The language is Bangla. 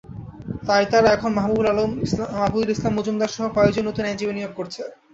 তাই তারা এখন মাহবুবুল ইসলাম মজুমদারসহ কয়েকজন নতুন আইনজীবী নিয়োগ করছে।